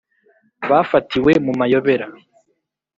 bafatiwe mu mayobera ...